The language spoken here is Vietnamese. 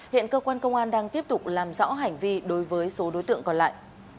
hiện cơ quan công an đang tiếp tục làm rõ hành vi đối với số đối tượng còn lại